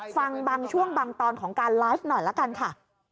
ฟังบางช่วงบางตอนของการไลฟ์หน่อยละกันค่ะ